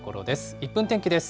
１分天気です。